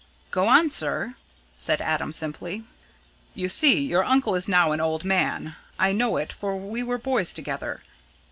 "Go on, sir!" said Adam simply. "You see, your uncle is now an old man. I know it, for we were boys together.